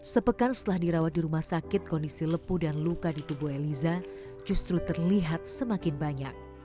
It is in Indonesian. sepekan setelah dirawat di rumah sakit kondisi lepuh dan luka di tubuh eliza justru terlihat semakin banyak